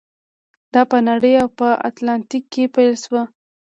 دا په نړۍ او په اتلانتیک کې پیل شو.